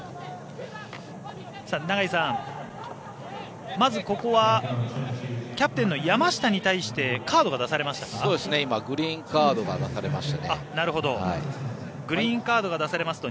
永井さん、まずここはキャプテンの山下に対して今、グリーンカードが出されましたね。